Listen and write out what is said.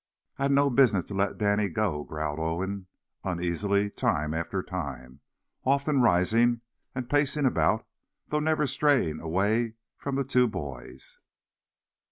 "I'd no business to let Danny go," growled Owen, uneasily, time after time, often rising and pacing about, though never straying away from the two boys.